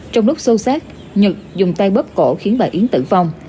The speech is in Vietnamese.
trong lúc xô xác nhật dùng tay bóp cổ khiến bà yến tử vong